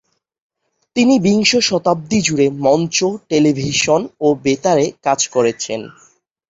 তিনি বিংশ শতাব্দী জুড়ে মঞ্চ, টেলিভিশন ও বেতারে কাজ করেছেন।